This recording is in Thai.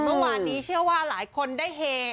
เมื่อวานนี้เชื่อว่าหลายคนได้เฮ